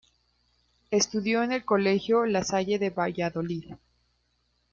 Estudió en el colegio La Salle de Valladolid.